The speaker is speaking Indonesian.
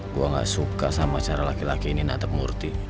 gue gak suka sama cara laki laki ini natap murti